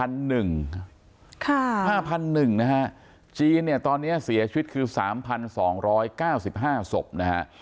๕๑๐๐นะฮะจีนเนี่ยตอนนี้เสียชีวิตคือ๓๒๙๕ศพนะฮะ